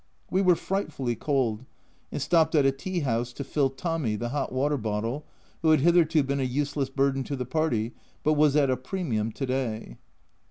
We were frightfully cold, and stopped at a tea house to fill "Tommy/' the hot water bottle, who had hitherto been a useless burden to the party, but was at a premium to day.